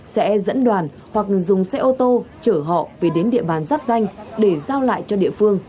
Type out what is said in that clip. sẽ dẫn đoàn hoặc dùng xe ô tô chở họ về đến địa bàn giáp danh để giao lại cho địa phương